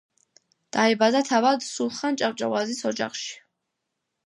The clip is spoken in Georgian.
დაიბადა თავად სულხან ჭავჭავაძის ოჯახში.